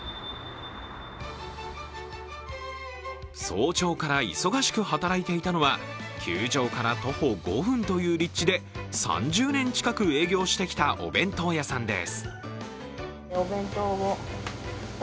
早朝から忙しく働いていたのは球場から徒歩５分という立地で３０年近く営業してきたお弁当屋さんです。